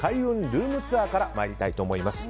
ルームツアー！からまいりたいと思います。